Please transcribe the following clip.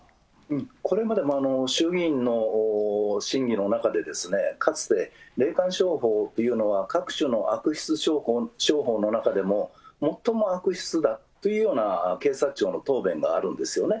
これまでも衆議院の審議の中で、かつて霊感商法というのは、各種の悪質商法の中でも最も悪質だというような検察庁の答弁があるんですよね。